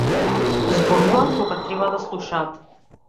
Зборуваат кога треба да слушаат.